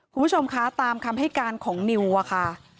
คุณผู้ชมคะตามคำให้การของนิวอะค่ะ